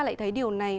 lại thấy điều này